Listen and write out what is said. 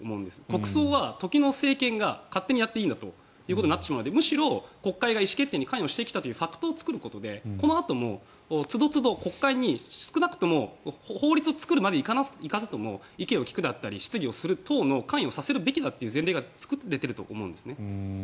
国葬は時の政権が勝手にやっていいんだということになってしまうのでむしろ国会が意思決定に関与してきたというファクトを作ることでこのあともつどつど国会に少なくとも法律を作るまでいかずとも意見を聞くだったり質疑をするというの関与をさせるべきだという前例が作れていると思うんですね。